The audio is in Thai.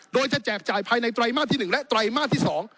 โดยจะแจกจ่ายภายในไตรมาสที่๑และไตรมาสที่๒